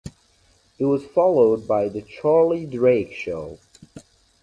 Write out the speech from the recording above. It was followed by the "The Charlie Drake Show".